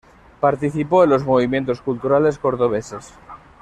Participó en los movimientos culturales cordobeses.